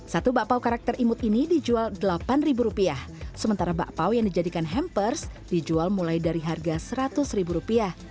satu bakpau karakter imut ini dijual rp delapan sementara bakpao yang dijadikan hampers dijual mulai dari harga rp seratus